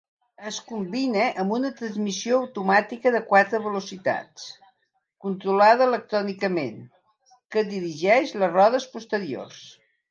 Es combina amb una transmissió automàtica de quatre velocitats, controlada electrònicament, que dirigeix les rodes posteriors.